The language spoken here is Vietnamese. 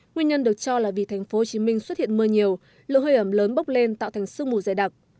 nguyên nhân được cho là vì thành phố hồ chí minh xuất hiện mưa nhiều lượng hơi ẩm lớn bốc lên tạo thành sương mù dày đặc